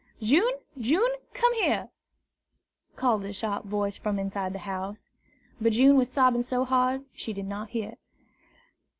"June, June, come here!" called a sharp voice from the house. But June was sobbing so hard she did not hear.